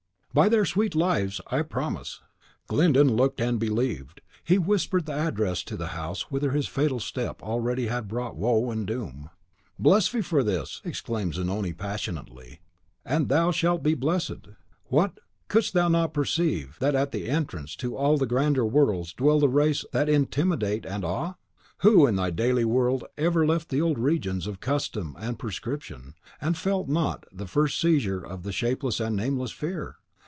"By their sweet lives, I promise!" Glyndon looked and believed. He whispered the address to the house whither his fatal step already had brought woe and doom. "Bless thee for this," exclaimed Zanoni, passionately, "and thou shalt be blessed! What! couldst thou not perceive that at the entrance to all the grander worlds dwell the race that intimidate and awe? Who in thy daily world ever left the old regions of Custom and Prescription, and felt not the first seizure of the shapeless and nameless Fear?